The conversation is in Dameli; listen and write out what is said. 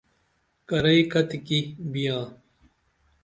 کِرئی کتیکی بیاں؟